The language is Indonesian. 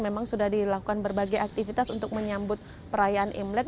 memang sudah dilakukan berbagai aktivitas untuk menyambut perayaan imlek